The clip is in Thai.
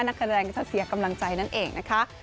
นักแสดงก็จะเสียกำลังใจนั่นเองนะคะ